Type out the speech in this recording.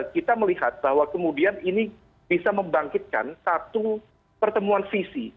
kita melihat bahwa kemudian ini bisa membangkitkan satu pertemuan visi